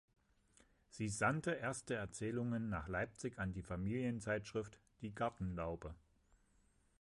Sie sandte erste Erzählungen nach Leipzig an die Familienzeitschrift "Die Gartenlaube".